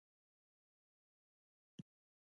د کرنیزو ایالتونو له لوري وړاندې شوې وې.